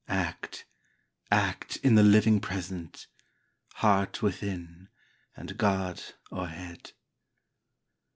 Act, — act in the living Present ! Heart within, and God o'erhead